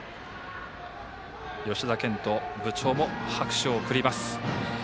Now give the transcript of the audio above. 吉田健人部長も拍手を送ります。